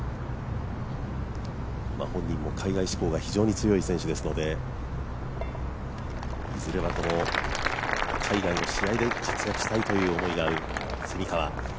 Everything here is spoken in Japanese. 本人も海外志向が非常に強い選手ですのでいずれは海外の試合で活躍したいという思いがある蝉川。